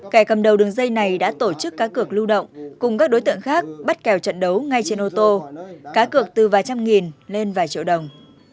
kẻ cầm đầu đường dây này đã tổ chức cá cược lưu động cùng các đối tượng khác bắt kèo trận đấu ngay trên ô tô cá cược từ vài trăm nghìn lên vài triệu đồng